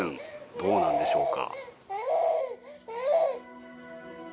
どうなんでしょうか。